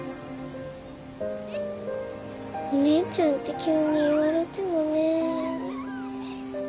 お姉ちゃんって急に言われてもね。